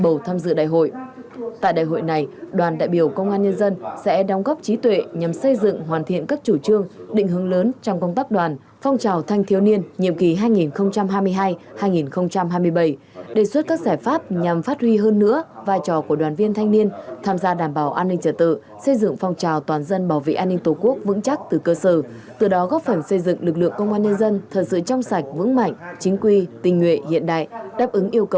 bầu tham dự đại hội tại đại hội này đoàn đại biểu công an nhân dân sẽ đóng góp trí tuệ nhằm xây dựng hoàn thiện các chủ trương định hướng lớn trong công tác đoàn phong trào thanh thiếu niên nhiệm ký hai nghìn hai mươi hai hai nghìn hai mươi bảy đề xuất các giải pháp nhằm phát huy hơn nữa vai trò của đoàn viên thanh niên tham gia đảm bảo an ninh trở tự xây dựng phong trào toàn dân bảo vệ an ninh tổ quốc vững chắc từ cơ sở từ đó góp phẩm xây dựng lực lượng công an nhân dân thật sự trong sạch vững mạnh chính quy tình nguyện hiện đại đáp